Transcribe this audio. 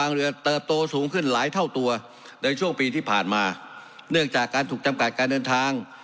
ในช่วงปีที่ผ่านมาเนื่องจากการถูกจำกัดการเดินทาง